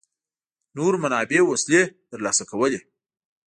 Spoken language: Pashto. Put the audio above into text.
نورو منابعو وسلې ترلاسه کولې.